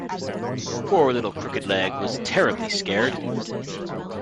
Poor little Crooked-Leg was terribly scared.